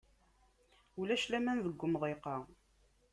Ulac laman deg umḍiq-a.